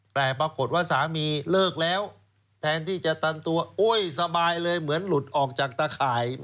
แต่ปรากฏว่าสามีเลิกแล้วแทนที่จะตันตัวโอ๊ยสบายเลยเหมือนหลุดออกจากตะข่าย